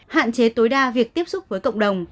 hạn chế tối đa việc tiếp xúc với cộng đồng